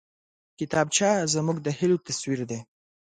کتابچه زموږ د هيلو تصویر دی